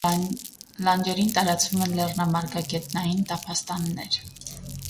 Լանջերին տարածվում են լեռնամարգագետնային տափաստաններ։